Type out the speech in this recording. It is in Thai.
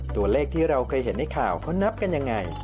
ตัวเลขที่เราเคยเห็นในข่าวเขานับกันยังไง